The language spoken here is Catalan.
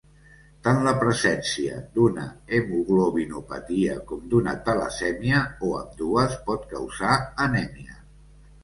Tant la presència d'una hemoglobinopatia com d'una talassèmia, o ambdues, pot causar anèmia.